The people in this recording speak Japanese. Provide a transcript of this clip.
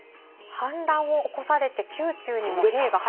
反乱を起こされて宮中にも兵が。